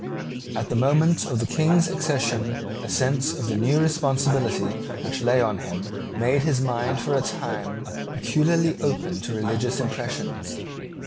At the moment of the King's accession a sense of the new responsibility which lay on him made his mind for a time peculiarly open to religious impressions.